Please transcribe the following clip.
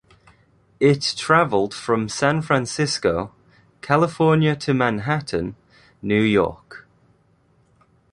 It traveled from San Francisco, California to Manhattan, New York.